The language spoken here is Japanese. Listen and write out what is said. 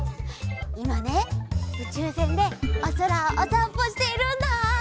いまねうちゅうせんでおそらをおさんぽしているんだ。